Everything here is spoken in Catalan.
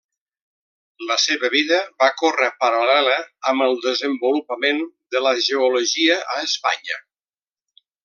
La seva vida va córrer paral·lela amb el desenvolupament de la geologia a Espanya.